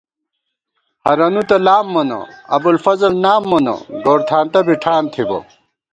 ہرَنُو تہ لام مونہ، ابُوالفضل نام مونہ ، گورتھانتہ بی ٹھان تِھبہ